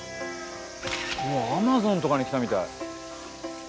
アマゾンとかに来たみたい。